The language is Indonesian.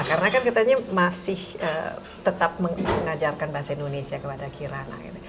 karena kan katanya masih tetap mengajarkan bahasa indonesia kepada kirana gitu